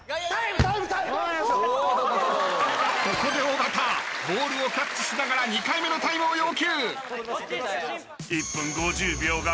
［ここで尾形ボールをキャッチしながら２回目のタイムを要求］